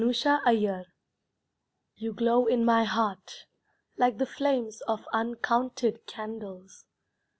The Bungler You glow in my heart Like the flames of uncounted candles.